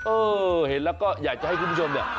เออเห็นแล้วก็อยากจะให้คุณผู้ชมเนี่ย